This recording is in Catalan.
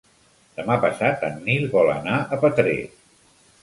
Demà passat en Nil vol anar a Petrer.